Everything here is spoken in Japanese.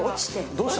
どうした？